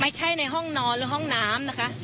ในห้องนอนหรือห้องน้ำนะคะ